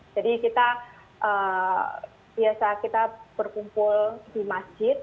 jadi kita biasa kita berkumpul di masjid